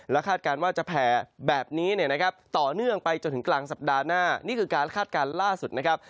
คาดการณ์ว่าจะแผ่แบบนี้เนี่ยนะครับต่อเนื่องไปจนถึงกลางสัปดาห์หน้านี่คือการคาดการณ์ล่าสุดนะครับ